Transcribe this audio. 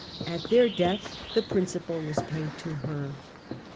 At their death the principal was paid to her.